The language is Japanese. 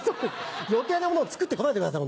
余計なものを作って来ないでください。